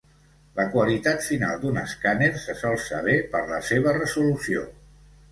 La qualitat final d'un escàner se sol saber per la seva resolució.